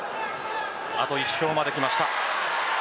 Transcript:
あと１勝まできました。